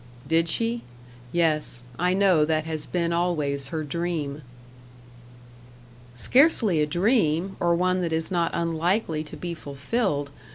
"Did she? Yes, I know that has been always her dream." "Scarcely a dream, or one that is not unlikely to be fulfilled.